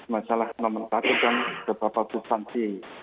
masalah nomor satu kan bapak bustansi